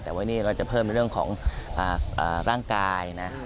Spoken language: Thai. แต่ไว้นี่เราจะเพิ่มในเรื่องของร่างกายนะ